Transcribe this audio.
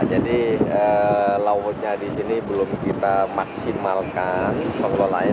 jadi lautnya di sini belum kita maksimalkan pengelolaannya